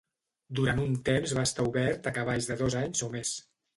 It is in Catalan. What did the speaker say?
Durant un temps va estar obert a cavalls de dos anys o més.